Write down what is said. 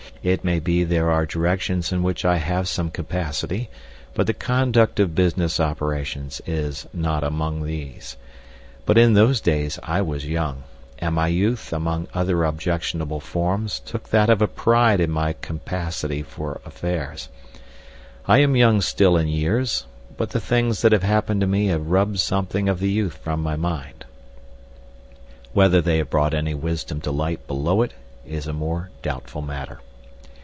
It may be there are directions in which I have some capacity, but the conduct of business operations is not among these. But in those days I was young, and my youth among other objectionable forms took that of a pride in my capacity for affairs. I am young still in years, but the things that have happened to me have rubbed something of the youth from my mind. Whether they have brought any wisdom to light below it is a more doubtful matter.